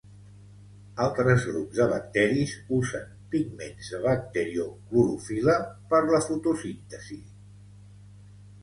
Altres grups de bacteris usen pigments de bacterioclorofil·la per la fotosíntesi.